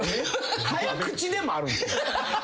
早口でもあるんすね。